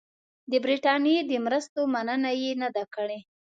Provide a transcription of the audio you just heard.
د برټانیې د مرستو مننه یې نه ده کړې.